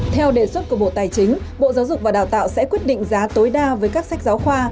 theo đề xuất của bộ tài chính bộ giáo dục và đào tạo sẽ quyết định giá tối đa với các sách giáo khoa